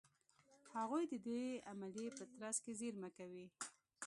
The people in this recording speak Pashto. هغوی د دې عملیې په ترڅ کې زېرمه کوي.